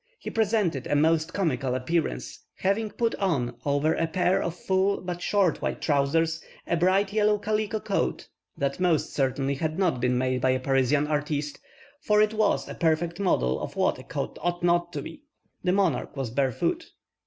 He presented a most comical appearance, having put on, over a pair of full but short white trousers, a bright yellow calico coat, that most certainly had not been made by a Parisian artiste, for it was a perfect model of what a coat ought not to be. This monarch was barefoot.